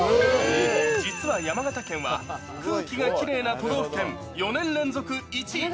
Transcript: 実は山形県は、空気がきれいな都道府県、４年連続１位。